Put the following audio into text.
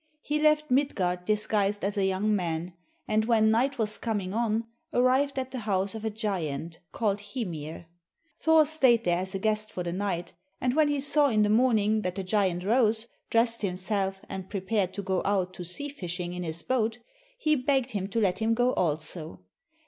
He left Midgard disguised as a young man, and when night was coming on, arrived at the house of a giant, called Hymir. Thor stayed there as a guest for the night, and when he saw in the morning that the giant rose, dressed himself, and prepared to go out to sea fishing in his boat, he begged him to let him go also.